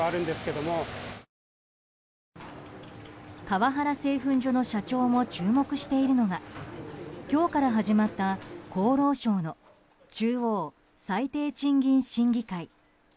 川原製粉所の社長も注目しているのが今日から始まった厚労省の中央最低賃金審議会。